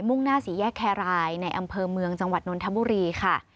่งหน้าสี่แยกแครรายในอำเภอเมืองจังหวัดนนทบุรีค่ะ